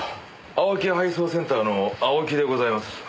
青木配送センターの青木でございます。